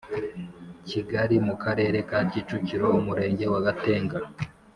Kigali mu karere ka Kicukiro Umurenge wa Gatenga